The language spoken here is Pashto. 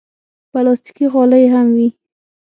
پلاستيکي غالۍ هم وي.